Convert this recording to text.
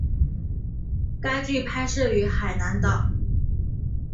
该剧拍摄于海南岛。